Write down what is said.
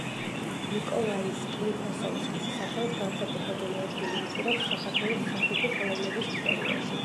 ნიკოლაი სკლიფასოვსკის სახელს განსაკუთრებული ადგილი უჭირავს საქართველოს სახვითი ხელოვნების ისტორიაში.